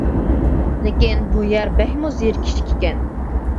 لېكىن بۇ يەر بەكمۇ زېرىكىشلىك ئىكەن!